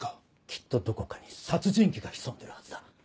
きっとどこかに殺人鬼が潜んでるはずだ。